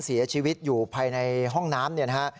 เสียชีวิตอยู่ภายในห้องน้ำ